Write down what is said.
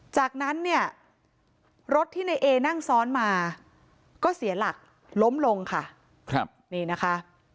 จากนั้นเนี่ยรถที่ในเอนั่งซ้อนมาก็เสียหลักล้มลงค่ะครับนี่นะคะ